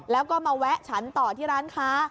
แล้วก็มาแวะฉันต่อที่ร้านค้า